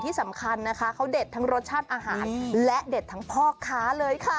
ที่สำคัญนะคะเขาเด็ดทั้งรสชาติอาหารและเด็ดทั้งพ่อค้าเลยค่ะ